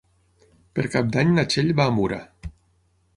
Per Cap d'Any na Txell va a Mura.